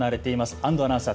安藤アナウンサー